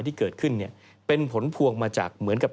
ที่เกิดขึ้นเนี่ยเป็นผลพวงมาจากเหมือนกับ